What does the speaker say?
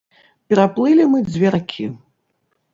Пераплылі мы дзве ракі.